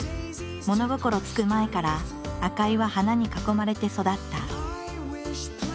物心つく前から赤井は花に囲まれて育った。